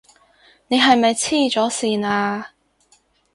你係咪痴咗線啊？